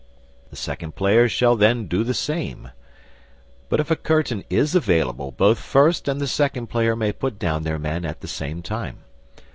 The Second Player shall then do the same. But if a curtain is available both first and second player may put down their men at the same time.